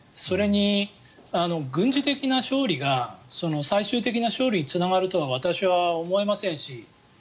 それに、軍事的な勝利が最終的な勝利につながるとは私は思いませんし。